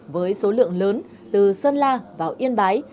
với số lượng lớn từ sơn la vào yên bái